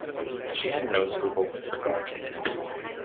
She had no scruple with regard to him.